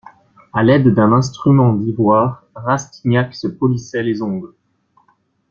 A l'aide d'un instrument d'ivoire, Rastignac se polissait les ongles.